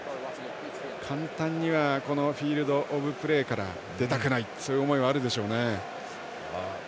簡単にはこのフィールドオブプレーから出たくないそういう思いはあるでしょうね。